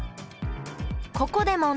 ここで問題。